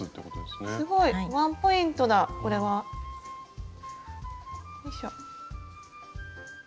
すごいワンポイントだこれは。よいしょ。